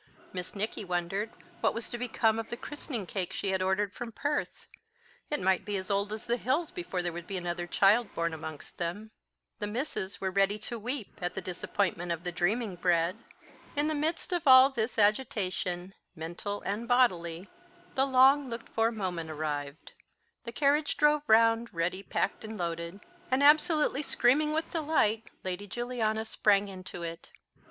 Miss Nicky wondered what was to become of the christening cake she had ordered from Perth; it might be as old as the hills before there would be another child born amongst them. The Misses were ready to weep at the disappointment of the dreaming bread. In the midst of all this agitation, mental and bodily, the long looked for moment arrived. The carriage drove round ready packed and loaded, and, absolutely screaming with delight, Lady Juliana sprang into it.